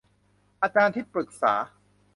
อาจารย์ที่ปรึกษา